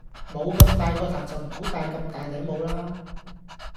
冇咁大個頭就唔好帶咁大頂帽啦